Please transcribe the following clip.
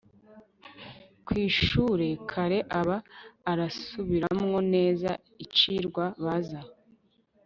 kwishure kare aba arasubiramwo neza icirwa baza